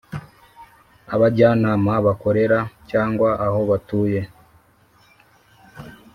Abajyanama bakorera cyangwa aho batuye